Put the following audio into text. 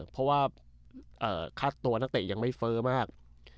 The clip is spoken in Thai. เพราะว่าค่าตัวนักเตะยังไม่เฟ้อมาก